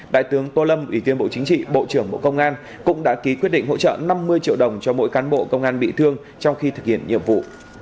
đại tướng tô lâm ủy viên bộ chính trị bộ trưởng bộ công an cũng đã ký quyết định hỗ trợ năm mươi triệu đồng cho mỗi cán bộ công an bị thương trong khi thực hiện nhiệm vụ